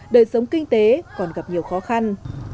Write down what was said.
đời sống kinh tế còn gặp nhiều khó khăn